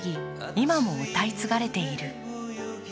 今も歌い継がれている。